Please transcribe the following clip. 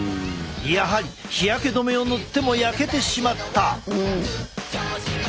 やはり日焼け止めを塗っても焼けてしまった。